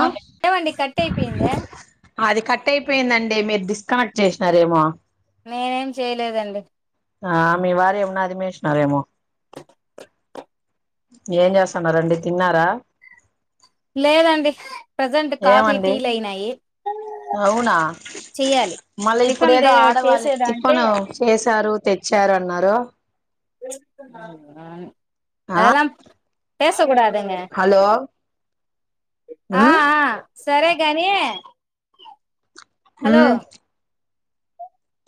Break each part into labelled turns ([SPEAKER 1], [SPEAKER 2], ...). [SPEAKER 1] ఆ
[SPEAKER 2] ఏమండి కట్ అయిపోయిందా
[SPEAKER 1] అది కట్ అయిపోయిందన్ అంటే మీరు డిస్కనెక్ట్ చేసినారేమో
[SPEAKER 2] నేనేం చేయలేదండి.
[SPEAKER 1] ఆ మీ వారు ఏమన్నా అదిమేసినారేమో ఏం చేస్తున్నరండి తిన్నారా
[SPEAKER 2] లేదండి ప్రజెంట్ కాఫీ
[SPEAKER 1] ఏమండి
[SPEAKER 2] టీలు అయినాయి
[SPEAKER 1] అవునా
[SPEAKER 2] చెయ్యాలి
[SPEAKER 1] మళ్ళీ
[SPEAKER 2] టిఫెన్
[SPEAKER 1] ఇప్పుడేదో
[SPEAKER 2] చేసేదా అంటే
[SPEAKER 1] తెచ్చారన్నారు.
[SPEAKER 2] హా ఆ ఎలా చేసుూడదదు
[SPEAKER 1] హలో
[SPEAKER 2] సరే గాని హలో
[SPEAKER 1] మ్మ్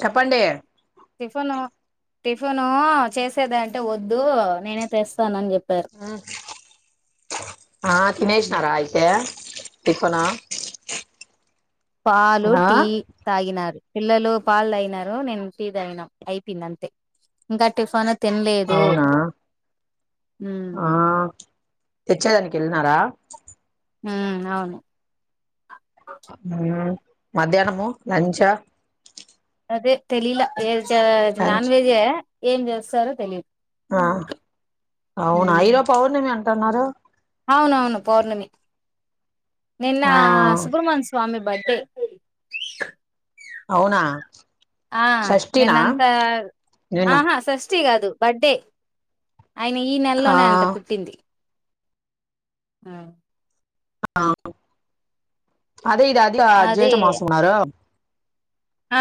[SPEAKER 1] చెప్పండి
[SPEAKER 2] టిఫిన్ టిఫిన్ చేసేది అంటే వద్దు నేనే తెస్తానని చెప్పాను
[SPEAKER 1] మ్మ్ ఆ తినేష్నారా అయితే టిఫిను
[SPEAKER 2] పాలు టీ తాగినారు పిల్లలు పాళ్ అయినారు నేను టీ తగిన అయిపోంది అంతే ఇంకా టిఫన్ తినలేదు
[SPEAKER 1] అవునా ఆ తెచ్చేదానికి వెళ్ళినారా
[SPEAKER 2] హ్మ అవును
[SPEAKER 1] మ్మ మధ్యాహ్నం లంచ్ఆ
[SPEAKER 2] అదే తెలీలా ఏ ఇ
[SPEAKER 1] లంచ్
[SPEAKER 2] నాన్ వెజే ఎ ఏం చేస్తారో తెలియదు
[SPEAKER 1] ఆ అవున ఈరోజు పౌర్ణమి అం అన్నారు
[SPEAKER 2] అవునవును పౌర్ణమి నిన్న
[SPEAKER 1] ఆ
[SPEAKER 2] సుబ్ర్మణ్య స్వామి బడ్డే
[SPEAKER 1] అవునా
[SPEAKER 2] ఆ
[SPEAKER 1] షష్ఠినా
[SPEAKER 2] నీన్నంతా
[SPEAKER 1] నిన్న
[SPEAKER 2] ఆహా సస్ కాదు బర్డే ఆయన ఈ
[SPEAKER 1] ఆ
[SPEAKER 2] నెలలోనే అంట పుట్టింది హ్మ
[SPEAKER 1] ఆ అదే ఇది అది
[SPEAKER 2] అదే
[SPEAKER 1] జేటా మాసం అన్నారు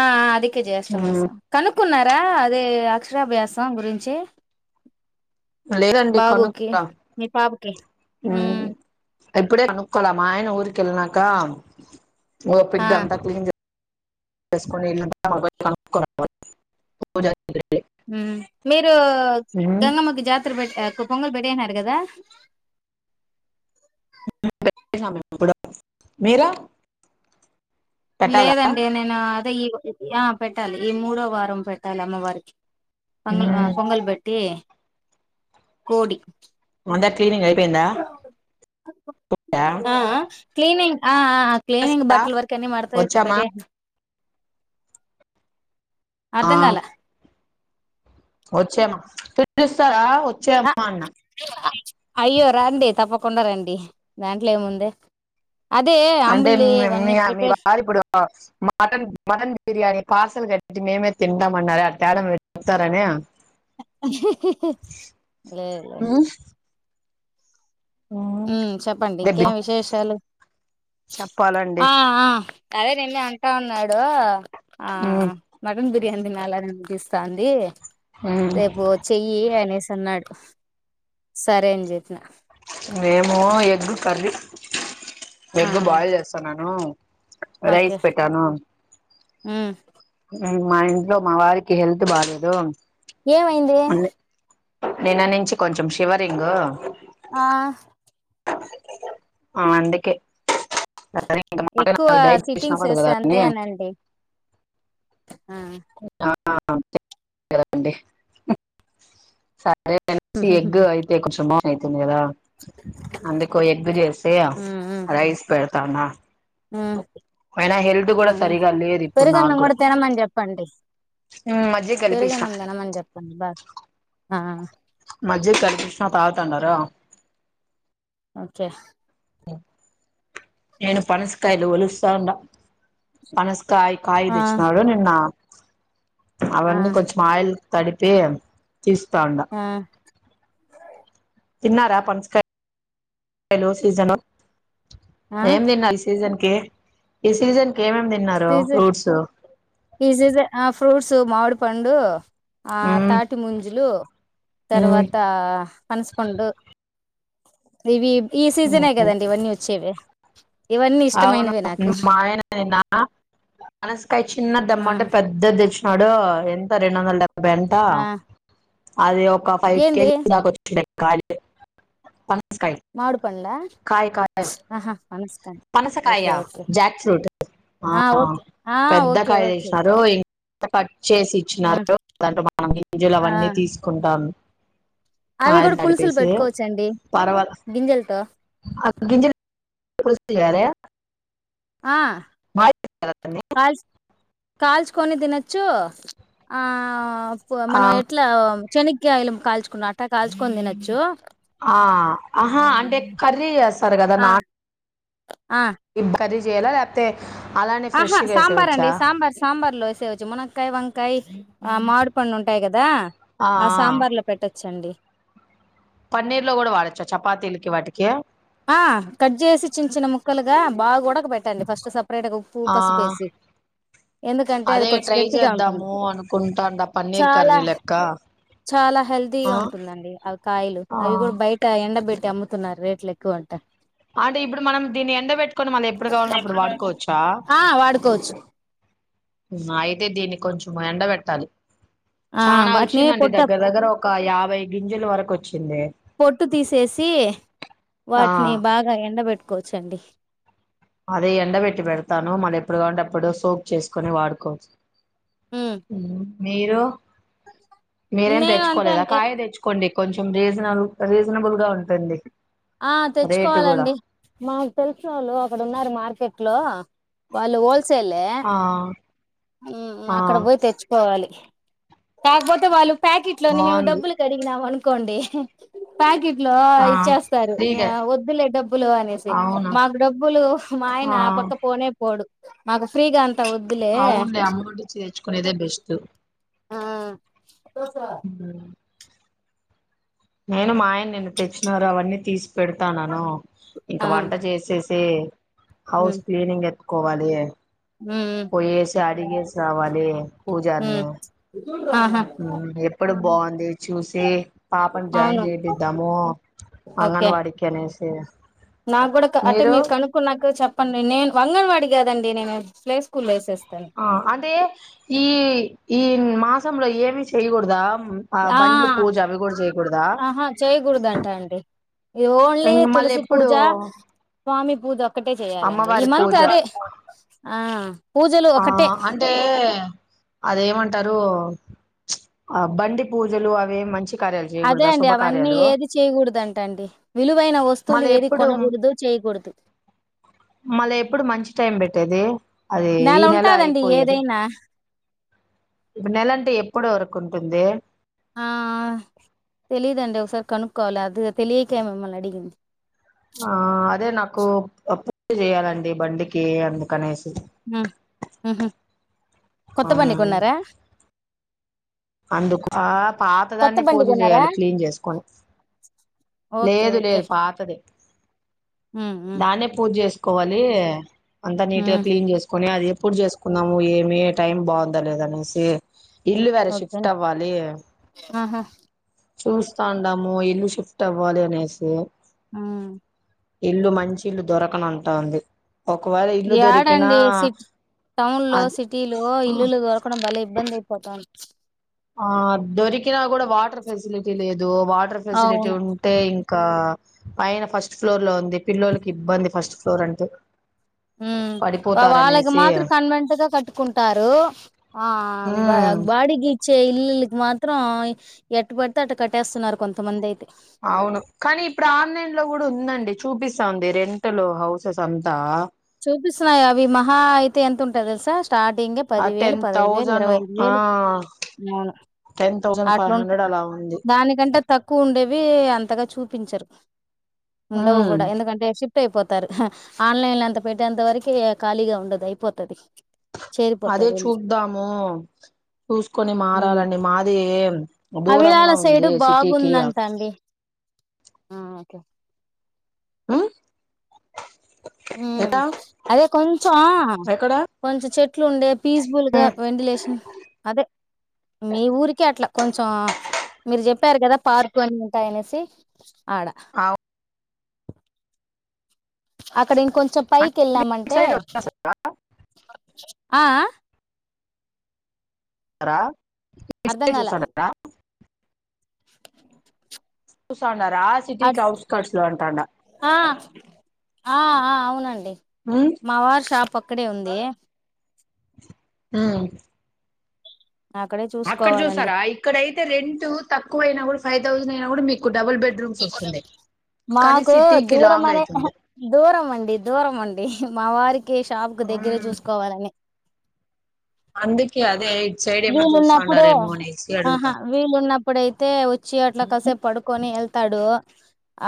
[SPEAKER 2] ఆ అది జ్యేష్టఠ
[SPEAKER 1] మ్
[SPEAKER 2] మాసం కనుకు కున్నారా అదే అక్షరాభ్యాసం గురించి
[SPEAKER 1] లేదండి
[SPEAKER 2] బాబుకి
[SPEAKER 1] కొనుక్క
[SPEAKER 2] మీ పాపకి ఉమ్
[SPEAKER 1] హ్మ్ అప్పుడే కనుకోల మా ఆయన ఊరికి వెళ్ళనాకా
[SPEAKER 2] ఆ
[SPEAKER 1] ఓపికగా అంతా క్లీన్ చే [inaudible]
[SPEAKER 2] హ్మ్ మీరు
[SPEAKER 1] మ్
[SPEAKER 2] గంగమ్మకి జాతర పెట్ పొంగల్ పెట్టేసినారు కదా
[SPEAKER 1] పెట్టినాం మేము కూడా మీరు పెట్టాలా
[SPEAKER 2] లేదండి ను య ఈ ఆ పెట్టాలి ఈ మూడో వారం పెట్టాలి అమ్మవారికి పొంగల్
[SPEAKER 1] మ్
[SPEAKER 2] పొంగల్ బట్టి కోడ్
[SPEAKER 1] అందర్ క్లినియ్ అయిపోయిందా దా
[SPEAKER 2] ఆ ఆ క్లీనింగ్ ఆ ఆ క్లీనింగ్ బట్లి వర్ కి అన్ని మడతవేసి
[SPEAKER 1] వచ్చామా
[SPEAKER 2] పెట్టియ్ అర్ధం కాల
[SPEAKER 1] వచ్చేమ్మ పిలుస్తారా వచ్చే
[SPEAKER 2] ఆ అయ్యో రార్రి తప్పకుం తప్పకుండరండి దాంట్లో ఏముందే
[SPEAKER 1] అంటే మీ మీ వారి ఇప్పుడు మటన్ మటన్ బిర్యానీ పార్సల్ కట్టి ఇటి మేమే తింటామన్నార అట్ట ఏడన్నా పెడతారని
[SPEAKER 2] లే లే
[SPEAKER 1] మ్మ్
[SPEAKER 2] చెప్పండి
[SPEAKER 1] దెబ్బి
[SPEAKER 2] ఇంకేం విశేషాలు
[SPEAKER 1] చెప్పాలండి
[SPEAKER 2] ఆ ఆ అదే నిన్న అంటా ఉన్నాడు ఆ
[SPEAKER 1] మ్మ్
[SPEAKER 2] మటన్ బిర్యా ఏం తినాళనినిపిస్తాంది
[SPEAKER 1] మ్మ్
[SPEAKER 2] రేపు చెయ్యి అనేసి అన్నాడు సరే అని చెప్పిన
[SPEAKER 1] మేము ఎగ్ కర్రీ
[SPEAKER 2] ఆ
[SPEAKER 1] ఎగ్ బాగా చేస్తానను అవు రైస్ పెట్టాను
[SPEAKER 2] ఉహ్
[SPEAKER 1] మా ఇంట్లో మా వారికి హెల్త్ బాలేదు
[SPEAKER 2] ఏమైంది
[SPEAKER 1] నిన్న నుంచి కొంచెం శివరింగు
[SPEAKER 2] ఆ
[SPEAKER 1] ఆ అందుకే మటన్
[SPEAKER 2] ఎక్కువ
[SPEAKER 1] అవి డైట్
[SPEAKER 2] సిట్టింగ్స్
[SPEAKER 1] చేసినావదు
[SPEAKER 2] వేస్తే
[SPEAKER 1] కదా అని
[SPEAKER 2] అంతేేనండి
[SPEAKER 1] అ డి అదేసి ఎగ్
[SPEAKER 2] ఉమ్
[SPEAKER 1] అయితే కొంచమ అయితుంది కదా అందుకు ఎగ్గు చేస్తే
[SPEAKER 2] ఉమ్
[SPEAKER 1] రైస్ పెడా తనా
[SPEAKER 2] ఆ
[SPEAKER 1] అయినా హెల్త్ కూడా సరిగా లేదు ఇప్పుడు నాకు
[SPEAKER 2] పెరుగన్నం
[SPEAKER 1] కూడా
[SPEAKER 2] తినమని చెప్పండి
[SPEAKER 1] మజ్జిగ కలిపిస్తా
[SPEAKER 2] పెరుగన్నం తినమని చెప్పండి బాగా ఆ
[SPEAKER 1] మజ్జిగ కలిపిచ్చిన తాగుతాండార
[SPEAKER 2] ఓకే
[SPEAKER 1] నేను పనస్కయలు వాలస్తా ఉన్న పనస కాయ కాయ
[SPEAKER 2] ఆ
[SPEAKER 1] తెచ్చినాడు నిన్న
[SPEAKER 2] ఆ
[SPEAKER 1] అవున్నీ కొంచం ఆయిల్ తడిపే చిిస్తస్తాడా
[SPEAKER 2] ఆ
[SPEAKER 1] తిన్నారా పనస కాయ హలో సీజనా
[SPEAKER 2] ఆ
[SPEAKER 1] ఏం తినాలి సీజన్ ఈ సీజన్ ఏమేమి తిన్నారు
[SPEAKER 2] సీజన్
[SPEAKER 1] ఫ్రూట్స్
[SPEAKER 2] ఫ్రూట్సు మామిడిపండు ఆ
[SPEAKER 1] మ్
[SPEAKER 2] తాటి ముంజలు తర్వాత పనసుపండు ఇవి ఈ
[SPEAKER 1] మ్
[SPEAKER 2] సీజనే కదండి ఇవన్నీ వచ్చేవి ఇవన్నీ
[SPEAKER 1] అవును
[SPEAKER 2] ఇష్టమైనవి నాకు
[SPEAKER 1] మాఆయన నిన్న ఆ పనసకాయ చిన్నది
[SPEAKER 2] ఆ
[SPEAKER 1] తెమ్మంటే పెద్దది చ్చినడు ఎంత రెం వందల డెబ్ అంటా
[SPEAKER 2] ఆ
[SPEAKER 1] అది ఒక ఫైవ్
[SPEAKER 2] ఏంది
[SPEAKER 1] కేజీస్ దాకా వచ్చి కాయ
[SPEAKER 2] మామిడి పండ్ల
[SPEAKER 1] కాయ కాయ పనసకాయ
[SPEAKER 2] ఓకే ఓకే
[SPEAKER 1] జాక్ ఫ్రూట్ ఆ
[SPEAKER 2] ఓకే ఆ
[SPEAKER 1] పెద్ద
[SPEAKER 2] ఓకే
[SPEAKER 1] కాయ
[SPEAKER 2] ఓకే
[SPEAKER 1] తెచ్చినాడు చేసి
[SPEAKER 2] ఆ
[SPEAKER 1] ఇచ్చినారు దంట మనం ఇంజులు
[SPEAKER 2] ఆ
[SPEAKER 1] అవన్నీ తీసుకుంటాము
[SPEAKER 2] అవి కూడా పులుసులు పెట్టుకోవచ్చండి గింజలతో
[SPEAKER 1] అజ వ కాారే దాన్ని?
[SPEAKER 2] కాల్చ కాల్చుకొని తినొచ్చు
[SPEAKER 1] ఆ,
[SPEAKER 2] మనం ఎట్లా శనకి ఆయిలుం కాల్చుకున్నా అట్టా కాల్చుకొని తినొచ్చు
[SPEAKER 1] ఆ ఆహా అంటే కర్రీ వస్తారు కదా
[SPEAKER 2] ఆ
[SPEAKER 1] నా
[SPEAKER 2] ఆ
[SPEAKER 1] ఇబ్బరిీ జేలా లేతే
[SPEAKER 2] ఆహా సాంబార్ అండి సాంబార్ సాంబార్ లో వసేవచ్చు మునక్కయ వం కై ఆ మకం ఉంటాయి కదా ఆ సాంబార్లా పెట్టా వచ్చండి
[SPEAKER 1] పన్నీర్ లో కూడా వాడొచ్చా చపాతీలకి వాటికి
[SPEAKER 2] ఆ కట్ చేసి చిన్న చిన్న ముక్కలుగా బాగా కూడాడ పెట్టండి ఫస్ట్ స అప్పుేటకు ఉప్పు
[SPEAKER 1] ఆ
[SPEAKER 2] పసుపేసి ఎందుకంటే అది
[SPEAKER 1] అదే
[SPEAKER 2] కొంచెం
[SPEAKER 1] ట్రై
[SPEAKER 2] గట్టిగా ఉంటుంది
[SPEAKER 1] చేద్దాము అనుకుంటాండ పన్నీర్
[SPEAKER 2] చాలా
[SPEAKER 1] కర్రీ లెక్క
[SPEAKER 2] చాలా హెల్తీగా
[SPEAKER 1] ఆ
[SPEAKER 2] ఉంటుందండి అవి కాయలు
[SPEAKER 1] ఆ
[SPEAKER 2] అవి కూడా బయట ఎండబెట్టి అమ్ముతున్నారు రేట్ల ఎకు అంట
[SPEAKER 1] అంటే ఇప్పుడు మనం దీన్ని ఎండబెట్టుకొని మళ్ళీ ఎప్పుడు కావాలన్నా అప్పుడు వాడుకోవచ్చా
[SPEAKER 2] ఆ వాడుకోవచ్చు
[SPEAKER 1] అయితే దీన్ని కొంచెం ఎండ పెట్టాలి
[SPEAKER 2] ఆ వాటిని పొట్ట
[SPEAKER 1] ఒక యాభై గింజల వరకు వచ్చింది
[SPEAKER 2] పొట్టు తీసేసి
[SPEAKER 1] ఆ
[SPEAKER 2] వాటిని బాగా ఎండబెట్టుకోవచ్చండి
[SPEAKER 1] అదే ఎండబెట్టి పెడతాను మరి ఎప్పుడు కాంటప్పుడు సోప్ చేసుకుొని వాడుకోవచ్చు
[SPEAKER 2] ఉమ్.
[SPEAKER 1] అ మీరు మీరేం
[SPEAKER 2] నేను అంతే
[SPEAKER 1] తెచ్చుకోలేదా
[SPEAKER 2] అండి. ఎ-
[SPEAKER 1] కాయ తెచ్చుకోండి కొంచెం రీజనబుల్ రీజనబుల్ గా ఉంటుంది
[SPEAKER 2] ఆ
[SPEAKER 1] రేటు కూడా
[SPEAKER 2] తెచ్చుకోవాలండి మాకు తెలుస వాళ్ళు ఇప్పుడు ఉన్నారు మార్కెట్ లో వాళ్ళు హోల్ సేలే
[SPEAKER 1] ఆ
[SPEAKER 2] ఉమ్
[SPEAKER 1] ఆ
[SPEAKER 2] అక్కడ పోయి తెచ్చుకోవాలి తకుపోతే వాళ్ళు ప్యాకెట్ లో మేము
[SPEAKER 1] బాగుంది
[SPEAKER 2] డబ్బులు కడిగినామను కొండి ప్యాకెట్ ఇంట్లో
[SPEAKER 1] ఆ
[SPEAKER 2] ఇచ్చేస్తారు యే
[SPEAKER 1] ఫ్రీగా
[SPEAKER 2] వద్దులే డబ్బులు అనేసి
[SPEAKER 1] అవునా
[SPEAKER 2] మాకు డబ్బులు మా ఆయన ఆ పక్క పోనే పోడు. మాకు ఫ్రీగా అం ట్ట వద్దులే
[SPEAKER 1] లే అమ్మ ఒడి చేయించుకునేదే బెస్టు
[SPEAKER 2] ఆ
[SPEAKER 1] ఇంద్రా నేను మా ఆయన నిన్ను తెచ్చినారా అవన్నీ తీసి పెడతానను. ఇంక
[SPEAKER 2] ఆ
[SPEAKER 1] వంట చేసేస్ తే హౌస్
[SPEAKER 2] ఉమ్
[SPEAKER 1] క్లీనింగ్ ఎక్ కోవాలి.
[SPEAKER 2] ఉమ్
[SPEAKER 1] పోయేసి అడిగేసి రావాలి పూజార్ని
[SPEAKER 2] ఉమ్ ఆహా
[SPEAKER 1] ఊ ఎప్పుడు వోద్ బావుంది. చూసి పాపను జాయిన్
[SPEAKER 2] అవును
[SPEAKER 1] చేయపిద్దాము. అంగన్
[SPEAKER 2] ఓకే
[SPEAKER 1] వాడికి అనేస్ టేస్
[SPEAKER 2] నాకు కూడా కన్ అంటే మీరు కనుక్కున్నాక చెప్పండి నేన్ వంగన్ వాడి కాదండి నేను ప్లే స్కూల్ లో వేసేస్
[SPEAKER 1] ఆ అదే ఈ ఈ మాస్ సంలో ఏమి చేయకూడదా.
[SPEAKER 2] ఆ
[SPEAKER 1] బండ్లు పూజ అవి కూడా చేయకూడదా
[SPEAKER 2] ఆహా చేయకూడదంట అండి. ఇది ఓన్లీ
[SPEAKER 1] ఇంక మళ్ళీ
[SPEAKER 2] తులసి
[SPEAKER 1] ఎప్పుడు
[SPEAKER 2] పూజ స్వామి పూజ. ఒక్కటే చెయాలండి.
[SPEAKER 1] అమ్మవారి
[SPEAKER 2] ఈమంత్
[SPEAKER 1] పూజ
[SPEAKER 2] అదే ఆ పూజలు
[SPEAKER 1] ఆ
[SPEAKER 2] ఒకటే
[SPEAKER 1] అంటే అదేమంట్ టరూ, ఆ బండి పూజలు అవేం మంచి కార్యాలు
[SPEAKER 2] అదే
[SPEAKER 1] చేయకూడదా
[SPEAKER 2] అండి అవన్నీ
[SPEAKER 1] శుభకార్యాలు
[SPEAKER 2] ఏది చేయకూడదుంట అండి. విలువైన వస్తువులు
[SPEAKER 1] మళ్ళీ
[SPEAKER 2] ఏది
[SPEAKER 1] ఎప్పుడు
[SPEAKER 2] కొనకూడదు చేయకూడదు.
[SPEAKER 1] మళ్ళీ ఎప్పుడు మంచి టైం పెట్టేది అది
[SPEAKER 2] నెల
[SPEAKER 1] ఈ
[SPEAKER 2] ఉంటాదండి
[SPEAKER 1] అయిపోయేది
[SPEAKER 2] ఏదైనా.
[SPEAKER 1] ఇప్పుడు నెలంటే ఎప్పుడు వరకు ఉంటుంది.
[SPEAKER 2] ఆ తెలీదండి. ఒకసారి కనుక్కోవాలి అది తెలియకే మిమ్మల్ని అడిగింది.
[SPEAKER 1] ఆ అదే నాకు పూజ చేయాలండి బండికి అందుకనేసి
[SPEAKER 2] అ అహా కొత్త
[SPEAKER 1] ఆ
[SPEAKER 2] బండి కొన్నారా
[SPEAKER 1] అందుక
[SPEAKER 2] కొత్త
[SPEAKER 1] పాతదాన్నే
[SPEAKER 2] బండి
[SPEAKER 1] పూజ
[SPEAKER 2] కొన్నారా
[SPEAKER 1] చేయాలి క్లీన్ చేసుకొని
[SPEAKER 2] ఓకే
[SPEAKER 1] లేదు
[SPEAKER 2] ఓకే
[SPEAKER 1] లేదు పాతదే
[SPEAKER 2] ఉమ్ ఉమ్
[SPEAKER 1] దాన్నే పూజ చేస్ కోలీ అంతా నీటిగా
[SPEAKER 2] ఉమ్
[SPEAKER 1] క్లీన్ చేసుకొని అది పూజ చేసుకున్నాము ఏమి టైం బాగుంద లేద అనేసి ఇల్లు వర శివ్
[SPEAKER 2] ఓకే ఆహా
[SPEAKER 1] చూస్తండాము ఇల్లు షిఫ్ట్ అవ్వాలి అనేసి
[SPEAKER 2] ఉమ్
[SPEAKER 1] ఇల్లు మంచి ఇల్లు దొరకనటాంది
[SPEAKER 2] యాడండి సిటీ టౌన్ లో
[SPEAKER 1] అది
[SPEAKER 2] సిటీలో
[SPEAKER 1] ఆ
[SPEAKER 2] ఇల్లులు దొరకడం బలే ఇబ్బంది అయిపోతాంది
[SPEAKER 1] ఆ దొరిక్ ఇలా కూడా వాటర్ ఫెసిలిటీ లేదు వో వాటర్ ఫెసిలిటీ
[SPEAKER 2] అవును
[SPEAKER 1] ఉంటే ఇం ఒకా పైన ఫస్ట్ ఫ్లోర్ లో ఉంది పిల్లలకి
[SPEAKER 2] ఊమ్ వాళ్ళకి
[SPEAKER 1] పడిపోతారనేసి
[SPEAKER 2] మాత్రం కన్వనెంట్ గా కట్టుకుంటారు ఆ బ
[SPEAKER 1] ఉమ్
[SPEAKER 2] బాడీ గీ చేయికి మాత్రం ఎట్ట పడితే అట్ట కట్టేస్తున్నారు కొంతమంది అయితే
[SPEAKER 1] అవును కానీ ఇప్పుడు ఆన్లైన్ లో కూడా ఉందండి చూపిస్తా ఉంది రెంటలో హౌసెస్ అంతా
[SPEAKER 2] చూపిస్తున్నాయి అవి మహా అయితే ఎంతుంటయి తెలుసా స్టార్టింగ్
[SPEAKER 1] ఆ
[SPEAKER 2] పదివేలు
[SPEAKER 1] టెన్
[SPEAKER 2] పదైవేలు
[SPEAKER 1] థౌజండ్
[SPEAKER 2] ఇరవైఐదు
[SPEAKER 1] ఆ
[SPEAKER 2] వేలు
[SPEAKER 1] టెన్ థౌజండ్ ఫైవ్
[SPEAKER 2] అట్లుంటే
[SPEAKER 1] హండ్రెడ్ అలా ఉంది
[SPEAKER 2] దానికంటే తక్కువ ఉండేవి అంతగా చూపించరు ఉండవు
[SPEAKER 1] ఉమ్
[SPEAKER 2] కూడా ఎందుకంటే షిప్ అయిపోతారు హ ఆన్లైన్లో అంతా పెట్టేంత వరకే ఖాళీగా ఉండదు అయిపోతది
[SPEAKER 1] అదే
[SPEAKER 2] చేరిపోతారు ఎళ్లి.
[SPEAKER 1] చూద్దాము చూసుకొని
[SPEAKER 2] హ్మ్.
[SPEAKER 1] మారాలండి మాదీ
[SPEAKER 2] అవిలాల సైడు బాగుందంట అండి అ ఒకే
[SPEAKER 1] అ
[SPEAKER 2] ఉమ్ అదే కొంచెమ్
[SPEAKER 1] ఎక్కడ
[SPEAKER 2] కొంచెం చెట్లు ఉండే పీస్బుల్
[SPEAKER 1] ఆ
[SPEAKER 2] గా వెంటిలేషన్ అదే మీ ఊరికే అట్లా కొంచెం మీరు చెప్పారు కదా పార్కులు ఉంటాయ అనేసి ఆడ అక్కడ ఇంకొంచం పైకి
[SPEAKER 1] మీ
[SPEAKER 2] ఏళ్ళామంటే
[SPEAKER 1] సైడ్ వచ్చేస్తారా
[SPEAKER 2] ఆ ఆ
[SPEAKER 1] రా
[SPEAKER 2] అర్ధం కాళ
[SPEAKER 1] చూస్తా ఉనర్ రా సిటీకి
[SPEAKER 2] అట్స్
[SPEAKER 1] అవుట్కట్స్ లో అంటాడా
[SPEAKER 2] ఆ! ఆ ఆ అవునండి
[SPEAKER 1] ఉమ్,
[SPEAKER 2] మవర్ షాప్ పక్కడే ఉంది
[SPEAKER 1] ఉహ్
[SPEAKER 2] అక్కడే
[SPEAKER 1] అక్కడ
[SPEAKER 2] చూసుకోవాలండి.
[SPEAKER 1] చూస్తారా. ఇక్కడయితే రెంట్ తక్కువ అయినా కూడ్ ఫైవ్ థౌజండ్ అయినా మీకు కూడ్
[SPEAKER 2] మాకు
[SPEAKER 1] సిటీకి
[SPEAKER 2] దూరం
[SPEAKER 1] లాంగ్
[SPEAKER 2] అనే హహ
[SPEAKER 1] అయితుంది
[SPEAKER 2] దూరం అండి దూరం అండి. మావారి కే షాప్ కి దగ్గర
[SPEAKER 1] ఉమ్,
[SPEAKER 2] చూసుకోవాలని
[SPEAKER 1] అందుకే అదే ఇట్ సైడ్ ఏమన్నా
[SPEAKER 2] వీలున్నప్పుడు
[SPEAKER 1] చూస్తాంటారేమో అనిసి అడుగుతాం
[SPEAKER 2] ఇప్పుడైతే వ చి అట్ల కసే
[SPEAKER 1] ఉమ్,
[SPEAKER 2] పడుకొని ఎల్ తడు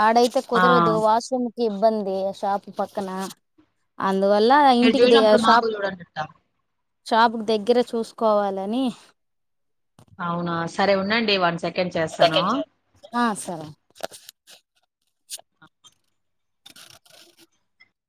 [SPEAKER 2] ఆడైతే
[SPEAKER 1] ఆ
[SPEAKER 2] కుదరదు వాష్రూమ్ ఇబ్బంది షాపు పక్కన అన్ దువల్ల
[SPEAKER 1] మీరు
[SPEAKER 2] ఇంటికి దగ్గర
[SPEAKER 1] చూసినప్పుడు మాకు
[SPEAKER 2] షాప్
[SPEAKER 1] చూడండి అట్ట.
[SPEAKER 2] షాపుకి దగ్గరే చూసుకోవాలని
[SPEAKER 1] అవునా సరే ఉండండి వన్ సెక్ కేన్ చేస్తాను
[SPEAKER 2] ఆ సరే